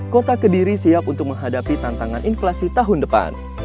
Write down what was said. kota kediri siap untuk menghadapi tantangan inflasi tahun depan